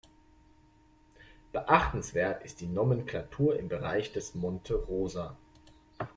Beachtenswert ist die Nomenklatur im Bereich des Monte Rosa.